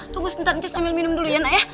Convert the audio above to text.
tunggu sebentar nek cus ambil minum dulu ya naya